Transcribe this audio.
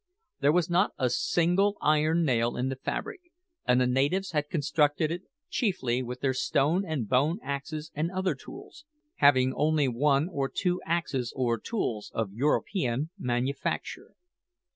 There was not a single iron nail in the fabric, and the natives had constructed it chiefly with their stone and bone axes and other tools, having only one or two axes or tools of European manufacture.